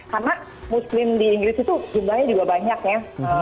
karena muslim di inggris itu jumlahnya juga banyak ya